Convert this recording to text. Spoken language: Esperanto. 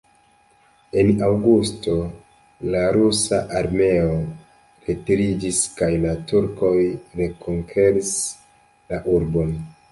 En aŭgusto, la rusa armeo retiriĝis kaj la turkoj rekonkeris la urbon.